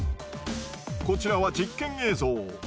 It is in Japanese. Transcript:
こちらは実験映像。